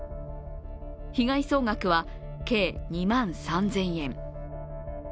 被害総額は計２万３０００円。